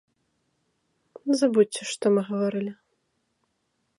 Забудзьце, што мы гаварылі.